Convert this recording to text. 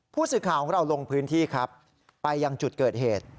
ผู้สื่อข่าวของเราลงพื้นที่ครับไปยังจุดเกิดเหตุ